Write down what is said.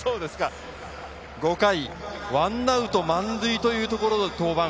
５回、１アウト満塁というところで登板。